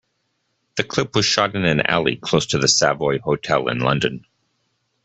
The clip was shot in an alley close to the Savoy Hotel in London.